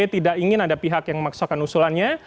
tidak ingin ada pihak yang memaksakan usulannya